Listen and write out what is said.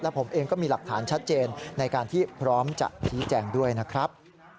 ผมเองก็มีหลักฐานชัดเจนในการที่พร้อมจะชี้แจงด้วยนะครับ